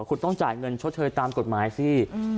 คุณต้องจ่ายเงินชดเชยตามกฎหมายสิ